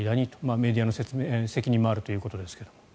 メディアの説明、責任もあるということですが。